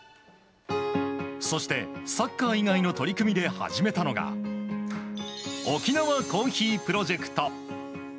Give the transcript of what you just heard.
そしてサッカー以外の取り組みで始めたのが沖縄コーヒープロジェクト。